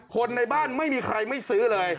คนในบ้านไม่มีใครไม่ซื้อเลย